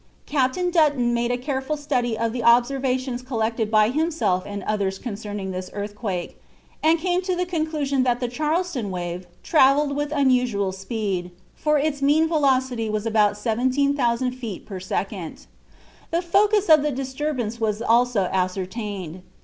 Captain Dutton made a careful study of the observations collected by himself and others concerning this earthquake, and came to the conclusion that the Charleston wave traveled with unusual speed, for its mean velocity was about 17,000 feet a second. The focus of the disturbance was also ascertained.